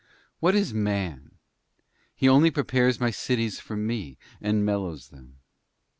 What is Man? He only prepares my cities for me, and mellows them.